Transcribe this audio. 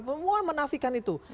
semua menafikan itu